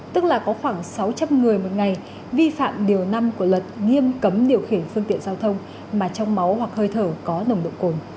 tức là có khoảng sáu trăm linh người một ngày vi phạm điều năm của luật nghiêm cấm điều khiển phương tiện giao thông mà trong máu hoặc hơi thở có nồng độ cồn